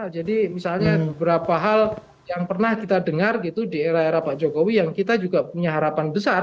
jadi misalnya beberapa hal yang pernah kita dengar gitu di era era pak jokowi yang kita juga punya harapan besar